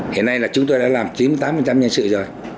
hiện nay là chúng tôi đã làm chín mươi tám nhân sự rồi